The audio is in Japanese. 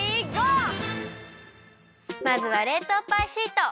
まずはれいとうパイシート！